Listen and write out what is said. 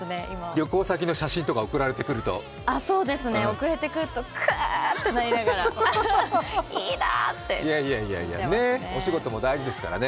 旅行先の写真とか送られてくると送られてくると、クゥってなりながらお仕事も大事ですからね。